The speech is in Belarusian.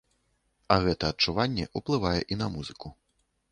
А гэта адчуванне ўплывае і на музыку.